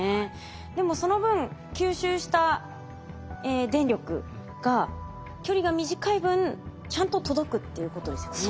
でもその分吸収した電力が距離が短い分ちゃんと届くっていうことですよね。